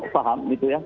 faham gitu ya